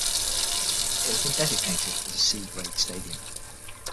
It has been designated as a 'C' Grade stadium.